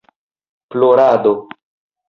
Plorado